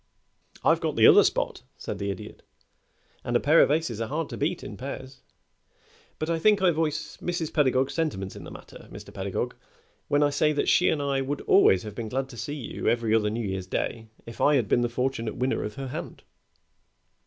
"I've got the other spot," said the Idiot, "and a pair of aces are hard to beat in pairs; but I think I voice Mrs. Pedagog's sentiments in the matter, Mr. Pedagog, when I say that she and I would always have been glad to see you every other New Year's day if I had been the fortunate winner of her hand."